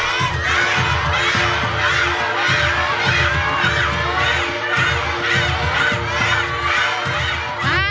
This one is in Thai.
ห้า